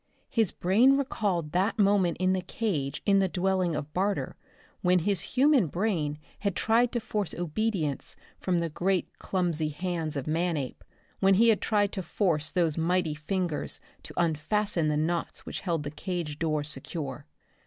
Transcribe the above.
His brain recalled that moment in the cage in the dwelling of Barter, when his human brain had tried to force obedience from the great clumsy hands of Manape, when he had tried to force those mighty fingers to unfasten the knots which held the cage door secure.